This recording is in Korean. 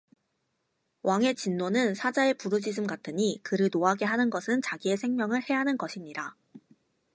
왕의 진노는 사자의 부르짖음 같으니 그를 노하게 하는 것은 자기의 생명을 해하는 것이니라